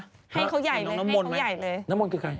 ให้เขาใหญ่เลยน้องน้ำมณคือใคร